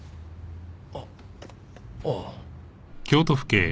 あっああ。